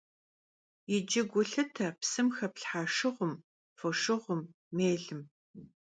Yicı gu lhıte psım xeplhha şşığum, foşşığum, mêlım.